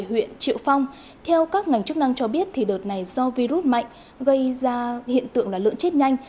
huyện triệu phong theo các ngành chức năng cho biết đợt này do virus mạnh gây ra hiện tượng là lợn chết nhanh